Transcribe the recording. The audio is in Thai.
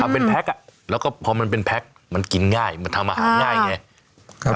เป็นแพ็คแล้วก็พอมันเป็นแพ็คมันกินง่ายมันทำอาหารง่ายไง